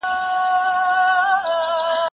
لاس د زهشوم له خوا مينځل کيږي.